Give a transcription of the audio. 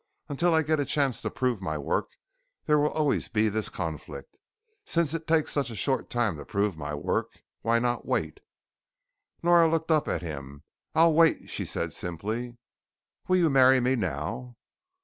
Until I get a chance to prove my work, there will always be this conflict. Since it takes such a short time to prove my work, why not wait?" Nora looked up at him. "I'll wait," she said simply. "Will you marry me now?"